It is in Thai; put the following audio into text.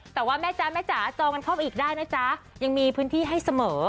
แต่ว่าแม่จ๊ะแม่จ๋าจองกันเข้าไปอีกได้นะจ๊ะยังมีพื้นที่ให้เสมอ